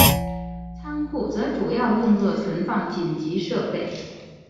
仓库则主要用作存放紧急设备。